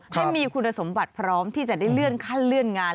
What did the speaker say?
ให้มีคุณสมบัติพร้อมที่จะได้เลื่อนขั้นเลื่อนงาน